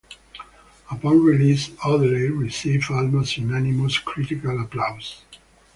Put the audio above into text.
Upon release, "Odelay" received almost unanimous critical applause.